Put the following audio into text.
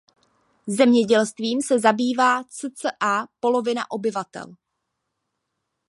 Zemědělstvím se zabývá cca polovina obyvatel.